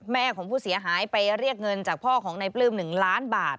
ของผู้เสียหายไปเรียกเงินจากพ่อของนายปลื้ม๑ล้านบาท